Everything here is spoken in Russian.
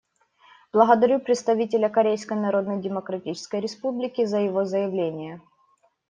Благодарю представителя Корейской Народно-Демократической Республики за его заявление.